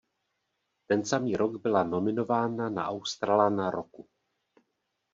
Ten samý rok byla nominovaná na Australana roku.